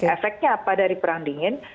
efeknya apa dari perang dingin